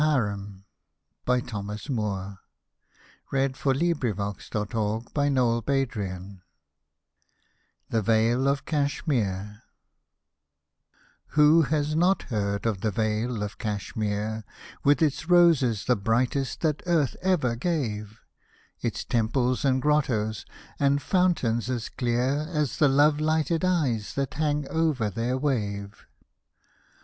Hosted by Google THE LIGHT OF THE HAREM THE VALE OF CASHMERE Who has not heard of the Vale of Cashmere, With its roses the brightest that earth ever gave, Its temples, and grottos, and fountains as clear As the love lighted eyes that hang over their wave